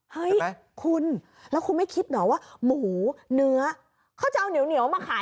เฮ้ยคุณแล้วคุณไม่คิดเหรอว่าหมูเนื้อเขาจะเอาเหนียวมาขาย